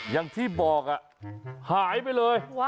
อย่างที่บอกหายไปเลย